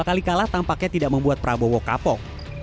dua kali kalah tampaknya tidak membuat prabowo kapok